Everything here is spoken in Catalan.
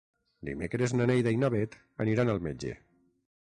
Dimecres na Neida i na Bet aniran al metge.